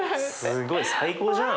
すごい。最高じゃん。